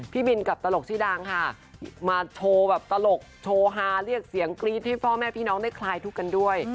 พี่บินกับตลกชื่อดังค่ะมาโชว์แบบตลกโชว์ฮาเรียกเสียงกรี๊ดให้พ่อแม่พี่น้องได้คลายทุกข์กันด้วย